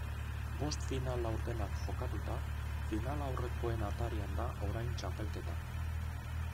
Bost final laurdenak jokatuta, finalaurrekoen atarian da orain txapelketa.